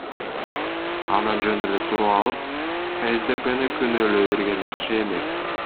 Анан жөн эле туруп алып КСДПны күнөөлөй берген жакшы эмес.